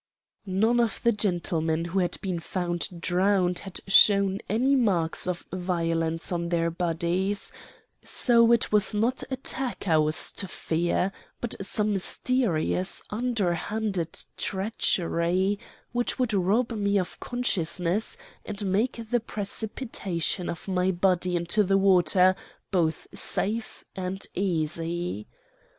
"None of the gentlemen who had been found drowned had shown any marks of violence on their bodies, so it was not attack I was to fear, but some mysterious, underhanded treachery which would rob me of consciousness and make the precipitation of my body into the water both safe and easy.